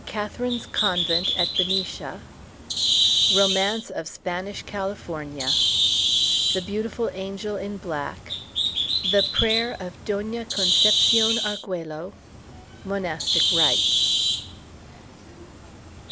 CATHERINE'S CONVENT AT BENICIA ROMANCE OF SPANISH CALIFORNIA THE BEAUTIFUL ANGEL IN BLACK THE PRAYER OF DONA CONCEPCION ARGUELLO REALIZED MONASTIC BITES.